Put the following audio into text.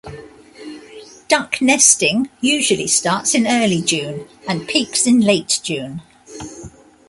Duck nesting usually starts in early June and peaks in late June.